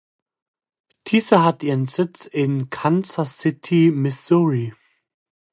Diese hat ihren Sitz in Kansas City, Missouri.